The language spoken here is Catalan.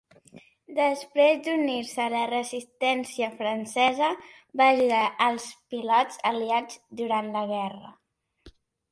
Després d'unir-se a la resistència francesa, va ajudar els pilots aliats durant la guerra.